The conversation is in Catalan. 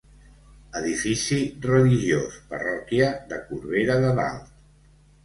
Edifici religiós, parròquia de Corbera de Dalt.